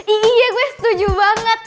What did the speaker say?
iya gue setuju banget